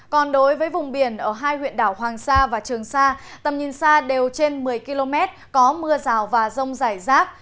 còn đối với vùng biển ở hai huyện đảo hoàng sa và trường sa tầm nhìn xa đều trên một mươi km có mưa rào và rông rải rác